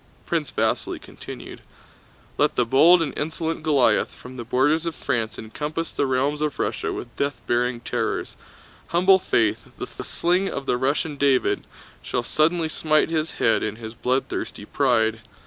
Prince Vasíli continued. "Let the bold and insolent Goliath from the borders of France encompass the realms of Russia with death bearing terrors; humble Faith, the sling of the Russian David, shall suddenly smite his head in his bloodthirsty pride.